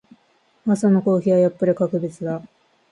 朝のコーヒーはやっぱり格別だ。